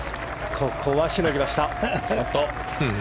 ここはしのぎました。